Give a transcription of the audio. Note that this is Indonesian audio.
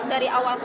dari awal kasus